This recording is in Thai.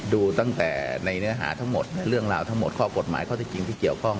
ดูตั้งแต่ในเนื้อหาทั้งหมดเรื่องราวทั้งหมดข้อกฎหมายข้อที่จริงที่เกี่ยวข้อง